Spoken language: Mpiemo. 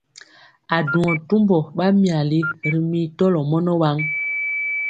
A duŋɔ tumbɔ ɓa myali ri mii tɔlɔ mɔnɔ waŋ.